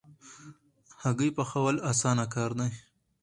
هګۍ پخول اسانه کار دی